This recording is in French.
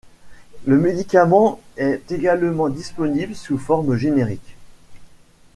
Le médicament est également disponible sous forme générique.